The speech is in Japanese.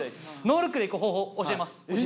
ノールックで行く方法教えます。